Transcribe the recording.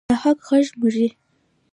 د حق غږ مري؟